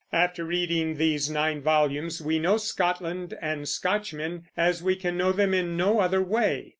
After reading these nine volumes we know Scotland and Scotchmen as we can know them in no other way.